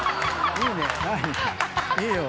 いいよ。